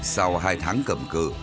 sau hai tháng cầm cử